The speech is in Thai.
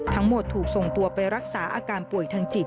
ทั้งหมดถูกส่งตัวไปรักษาอาการป่วยทางจิต